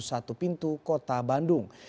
satu pintu kota bandung